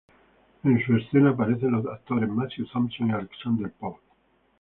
En su escena aparecen los actores Matthew Thompson y Alexandra Paul.